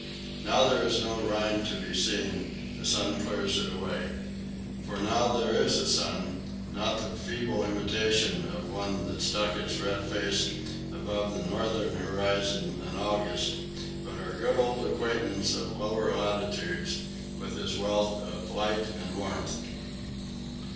Now there is no rime to be seen; the sun clears it away. For now there is a sun; not the feeble imitation of one that stuck its red face above the northern horizon in August, but our good old acquaintance of lower latitudes, with his wealth of light and warmth.